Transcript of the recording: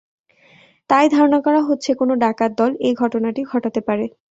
তাই ধারণা করা হচ্ছে, কোনো ডাকাত দল এ ঘটনাটি ঘটাতে পারে।